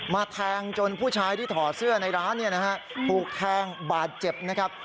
มาแทงจนผู้ชายที่ถอดเสื้อในร้านถูกแทงบาดเจ็บนะครับ